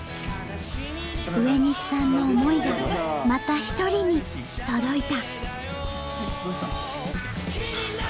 植西さんの思いがまた一人に届いた。